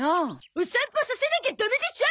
お散歩させなきゃダメでしょ！